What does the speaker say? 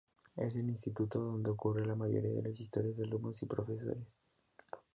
Es el instituto donde ocurren la mayoría de las historias de alumnos y profesores.